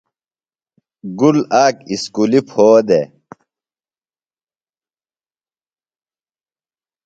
گُل آک اُسکُلیۡ پھو دےۡ۔